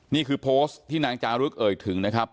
นี่คือโพสต์ที่นางจารึกเอ่ยถึงนะครับ